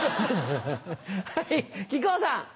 はい木久扇さん。